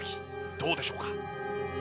どうでしょうか？